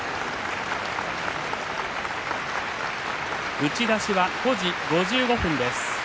打ち出しは５時５５分です。